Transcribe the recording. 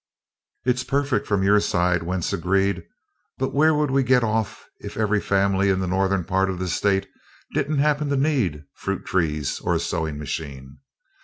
"It's perfect from your side," Wentz agreed, "but where would we get off if every family in the northern part of the state didn't happen to need fruit trees or a sewing machine?